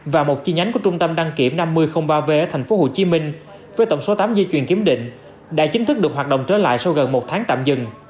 và một chi nhánh của trung tâm đăng kiểm năm mươi ba v tp hcm với tổng số tám dây chuyền kiểm định đã chính thức được hoạt động trở lại sau gần một tháng tạm dừng